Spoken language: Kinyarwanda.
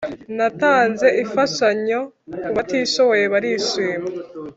natanze ifashanyo kubatishoboye barishima